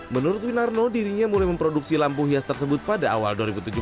menurut winarno dirinya mulai memproduksi lampu hias tersebut pada awal dua ribu tujuh belas